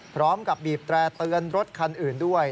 พร้อมกับบีบแตร่เตือนรถคันอื่นด้วย